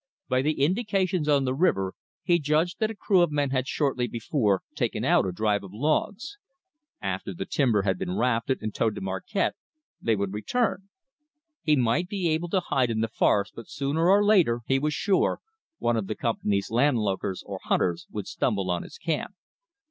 By the indications on the river, he judged that a crew of men had shortly before taken out a drive of logs. After the timber had been rafted and towed to Marquette, they would return. He might be able to hide in the forest, but sooner or later, he was sure, one of the company's landlookers or hunters would stumble on his camp.